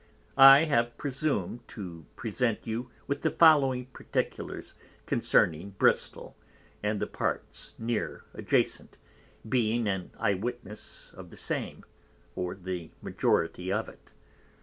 I have presum'd to present you with the following particulars concerning Bristol, and the parts near Adjacent, being an Eye witness of the same, or the Majority of it.